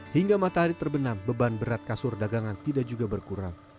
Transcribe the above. hingga matahari terbenam beban berat kasur dagangan tidak juga berkurang